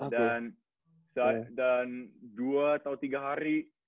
dan dan dua atau tiga hari